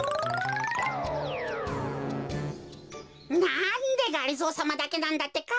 なんでがりぞーさまだけなんだってか？